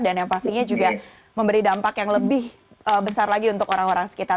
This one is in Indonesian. dan yang pastinya juga memberi dampak yang lebih besar lagi untuk orang orang sekitar